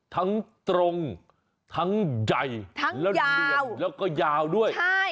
ทั้งตรงทั้งใหญ่และทั้งยาวแล้วก็ยาวด้วยใช่